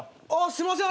すいません。